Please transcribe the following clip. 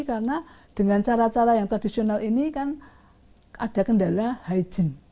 karena dengan cara cara yang tradisional ini kan ada kendala hygiene